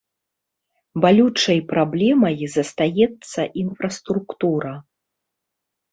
Балючай праблемай застаецца інфраструктура.